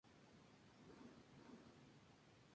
Sin embargo, debe matar a Ando por órdenes de Knox.